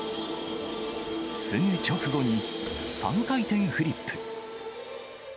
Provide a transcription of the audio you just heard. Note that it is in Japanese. すぐ直後に３回転フリップ。